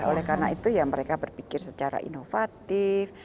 oleh karena itu ya mereka berpikir secara inovatif